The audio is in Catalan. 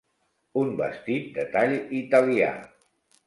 Un vestit de tall italià.